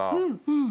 うん。